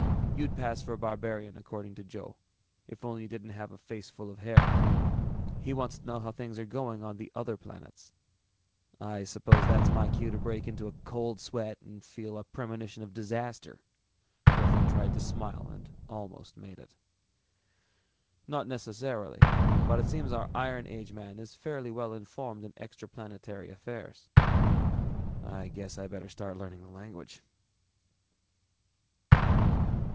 You'd pass for a barbarian, according to Joe, only you don't have a faceful of hair. He wants to know how things are going on the other planets." "I suppose that's my cue to break into a cold sweat and feel a premonition of disaster." Griffin tried to smile and almost made it. "Not necessarily, but it seems our iron age man is fairly well informed in extraplanetary affairs." "I guess I'd better start learning the language."